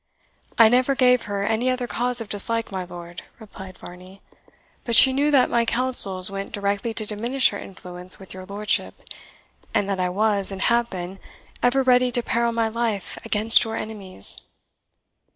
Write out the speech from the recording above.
"I never gave her any other cause of dislike, my lord," replied Varney. "But she knew that my counsels went directly to diminish her influence with your lordship; and that I was, and have been, ever ready to peril my life against your enemies."